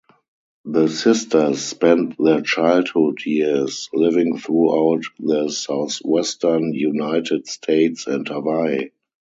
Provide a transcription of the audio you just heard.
The sisters spent their childhood years living throughout the Southwestern United States and Hawaii.